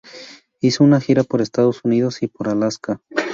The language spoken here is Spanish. Hizo una gira por Estados Unidos y por Alaska.